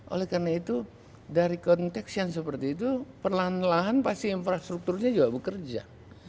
oleh karena itu dari konteks yang seperti itu perlahan lahan pasti infrastrukturnya juga bekerja